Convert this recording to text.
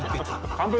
完璧！